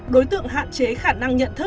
đối tượng hạn chế khả năng nhận